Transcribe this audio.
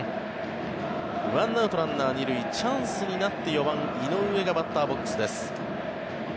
１アウト、ランナー２塁チャンスになって４番、井上がバッターボックスです。